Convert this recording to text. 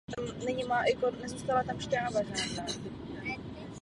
Také se zlepšuje a podporuje technologie.